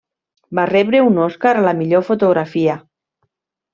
Va rebre un Oscar a la millor fotografia.